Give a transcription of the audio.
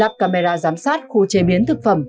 lập camera giám sát khu chế biến thực phẩm